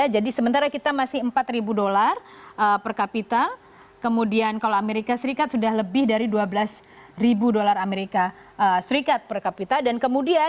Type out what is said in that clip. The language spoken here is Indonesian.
jadi sementara kita masih empat ribu dolar per kapita kemudian kalau amerika serikat sudah lebih dari dua belas ribu dolar amerika serikat per kapita